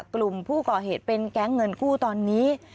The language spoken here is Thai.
กลุ่มผู้ก่อเหตุเป็นแก๊งเงินกู้ตอนนี้